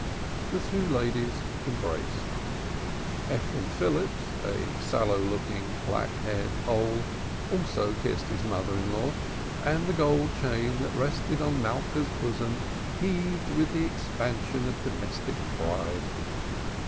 The two ladies embraced. Ephraim Phillips, a sallow looking, close cropped Pole, also kissed his mother in law, and the gold chain that rested on Malka's bosom heaved with the expansion of domestic pride.